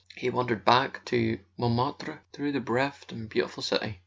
He wandered back to Montmartre through the bereft and beautiful city.